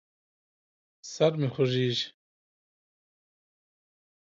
سر مې خوږېږي.